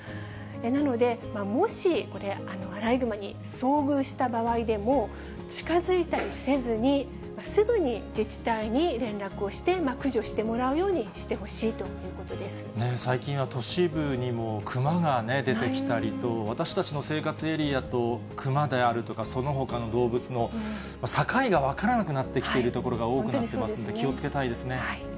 なので、もしこれ、アライグマに遭遇した場合でも、近づいたりせずに、すぐに自治体に連絡をして、駆除してもらうようにしてほしい最近は都市部にも熊が出てきたりと、私たちの生活エリアと熊であるとか、そのほかの動物の境が分からなくなってきているところが多くなってきてますんで、気をつけたいですね。